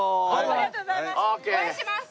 ありがとうございます。